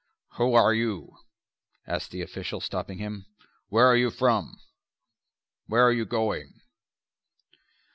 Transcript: "Who are you?" asked the official, stopping him. "Where are you from? Where are you going?"